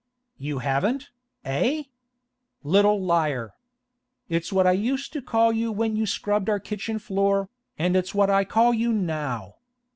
'You haven't, eh? Little liar! It's what I used to call you when you scrubbed our kitchen floor, and it's what I call you now.